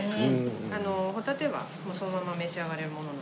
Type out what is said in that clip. ホタテはそのまま召し上がれるものなので。